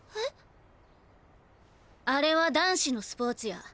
あれは男子のスポーツや。